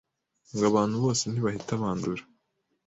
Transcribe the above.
ngo abantu bose ntibahita bandura